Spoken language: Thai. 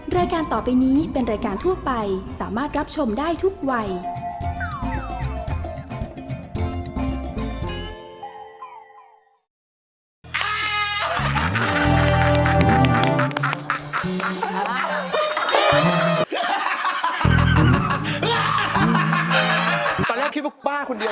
รายการต่อไปนี้เป็นรายการทั่วไปสามารถรับชมได้ทุกวัย